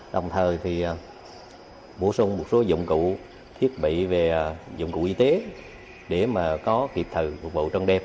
đồng thời bổ sung một số dụng cụ thiết bị về dụng cụ y tế để có kịp thời phục vụ trong đêm